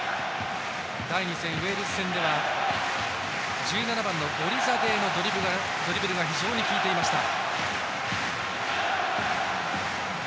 第２戦、ウェールズ戦では１７番のゴリザデーのドリブルが非常に効いていました。